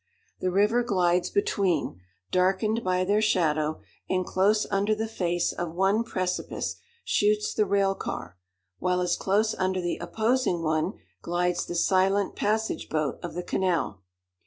The river glides between, darkened by their shadow; and close under the face of one precipice shoots the rail car, while as close under the opposing one glides the silent passage boat of the canal.